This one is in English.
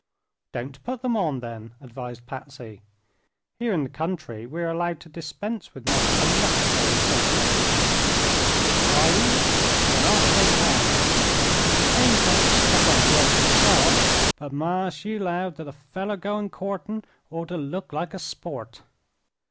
"Don't put them on, then," advised Patsy. "Here in the country we are allowed to dispense with much unnecessary social etiquette." "Air ye? Then off they come. I ain't much stuck on gloves, myself; but ma she 'lowed that a feller goin' courtin' orter look like a sport."